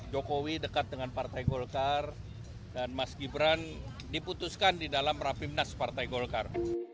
jokowi dekat dengan partai golkar dan mas gibran diputuskan di dalam rapimnas partai golkar